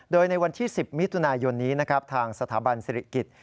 โดยในวันที่๑๐มิถุนายนทางสถาบันศิริกิต